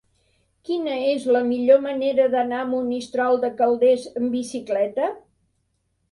Quina és la millor manera d'anar a Monistrol de Calders amb bicicleta?